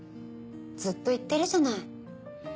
ずっと言ってるじゃない。